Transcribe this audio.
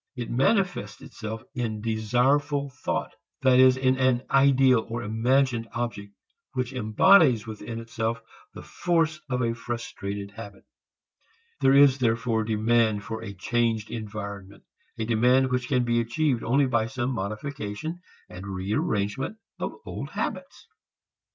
It manifests itself in desireful thought, that is in an ideal or imagined object which embodies within itself the force of a frustrated habit. There is therefore demand for a changed environment, a demand which can be achieved only by some modification and rearrangement of old habits.